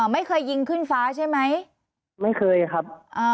ไม่เคยยิงขึ้นฟ้าใช่ไหมไม่เคยครับ